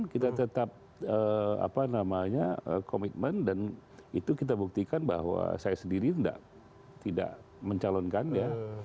kita tetap komitmen dan itu kita buktikan bahwa saya sendiri tidak mencalonkan ya